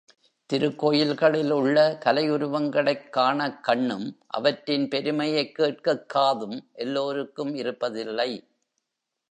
திருக்கோயில்களில் உள்ள கலையுருவங்களைக் காணக் கண்ணும் அவற்றின் பெருமையைக் கேட்கக் காதும் எல்லோருக்கும் இருப்பதில்லை.